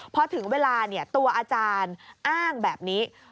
เพราะถึงเวลาเนี่ยตัวอาจารย์อ้างแบบนี้